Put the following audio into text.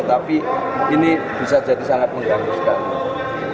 tapi ini bisa jadi sangat mengganggu sekali